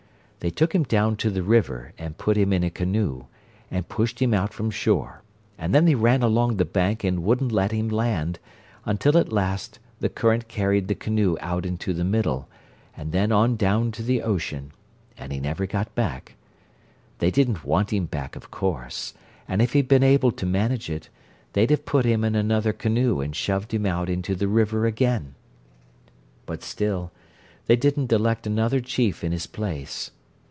They took him down to the river, and put him in a canoe, and pushed him out from shore; and then they ran along the bank and wouldn't let him land, until at last the current carried the canoe out into the middle, and then on down to the ocean, and he never got back. They didn't want him back, of course, and if he'd been able to manage it, they'd have put him in another canoe and shoved him out into the river again. But still, they didn't elect another chief in his place.